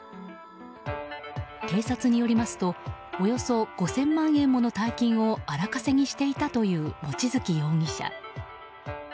警察によりますとおよそ５０００万円もの大金を荒稼ぎしていたというモチヅキ容疑者。